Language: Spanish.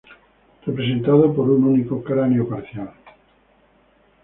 Representado por un único cráneo parcial.